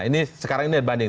ini sekarang ini banding